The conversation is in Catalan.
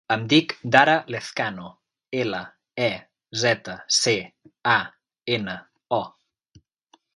Em dic Dara Lezcano: ela, e, zeta, ce, a, ena, o.